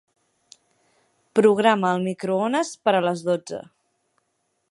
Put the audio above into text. Programa el microones per a les dotze.